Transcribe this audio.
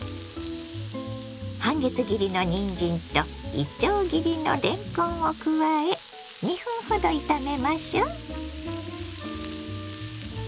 半月切りのにんじんといちょう切りのれんこんを加え２分ほど炒めましょ。